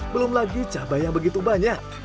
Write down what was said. belum lagi cabai yang begitu banyak